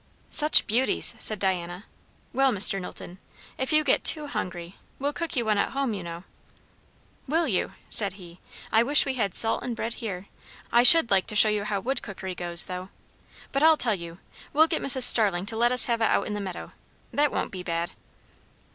"Such beauties!" said Diana. "Well, Mr. Knowlton, if you get too hungry, we'll cook you one at home, you know." "Will you?" said he. "I wish we had salt and bread here! I should like to show you how wood cookery goes, though. But I'll tell you! we'll get Mrs. Starling to let us have it out in the meadow that won't be bad."